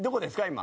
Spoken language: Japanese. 今。